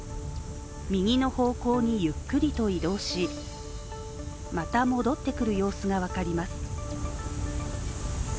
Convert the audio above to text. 右の方向にゆっくりと移動し、また戻ってくる様子が分かります。